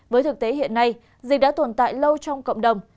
với thực tế hiện nay dịch đã tồn tại lâu trong cộng đồng